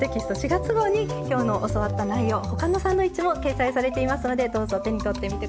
４月号に今日の教わった内容他のサンドイッチも掲載されていますのでどうぞ手に取ってみて下さい。